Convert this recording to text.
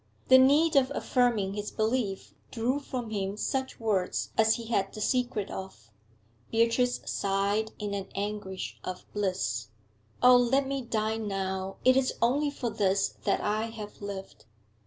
The need of affirming his belief drew from him such words as he had the secret of; Beatrice sighed in an anguish of bliss. 'Oh, let me die now! It is only for this that I have lived.'